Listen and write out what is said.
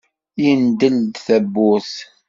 Yendel-d tawwurt.